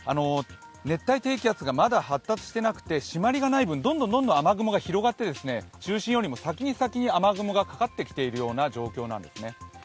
熱帯低気圧がまだ発達していなくて、しまりがない分、どんどん雨雲が広がって中心よりも先に雨雲がかかってきている状態なんですね。